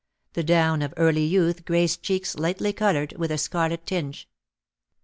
The down of early youth graced cheeks lightly coloured with a scarlet tinge.